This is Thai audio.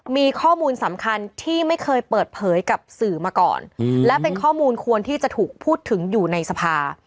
มีข้อมูลสำคัญที่ไม่เคยเปิดเผยกับสื่อมาก่อนและเป็นข้อมูลควรที่จะถูกพูดถึงอยู่ในสภา